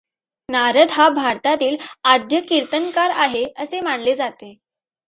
नारद हा भारतातील आद्य कीर्तनकार आहे, असे मानले जाते.